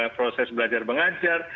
proses belajar mengajar